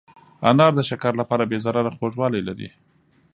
انار د شکر لپاره بې ضرره خوږوالی لري.